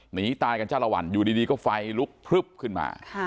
หนีตายกันจ้าละวันอยู่ดีก็ไฟลุกพลึบขึ้นมา